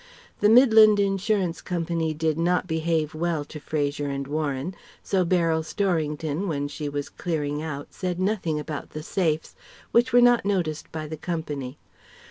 The Midland Insurance Co. did not behave well to Fraser and Warren, so Beryl Storrington, when she was clearing out said nothing about the safes, which were not noticed by the Company.